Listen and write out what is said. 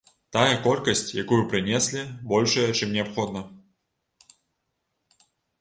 Тая колькасць, якую прынеслі, большая, чым неабходна.